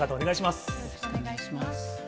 よろしくお願いします。